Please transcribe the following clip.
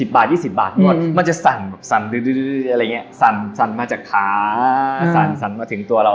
๑๐บาท๒๐บาทนวดมันจะสั่นสั่นมาจากค้าสั่นมาถึงตัวเรา